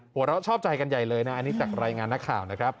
หัวเราะชอบใจกันใหญ่เลยนะอันนี้จากรายงานนักข่าวนะครับ